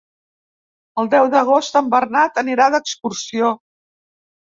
El deu d'agost en Bernat anirà d'excursió.